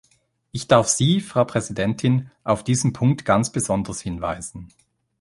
Ich darf Sie, Frau Präsidentin, auf diesen Punkt ganz besonders hinweisen.